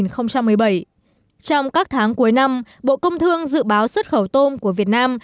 trong các tháng cuối năm bộ công thương dự báo xuất khẩu tôm của việt nam